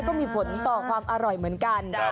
ก็มีผลต่อความอร่อยเหมือนกัน